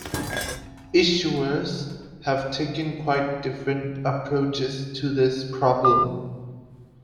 Issuers have taken quite different approaches to this problem.